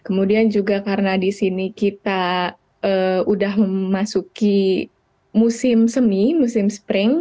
kemudian juga karena di sini kita udah memasuki musim semi musim spring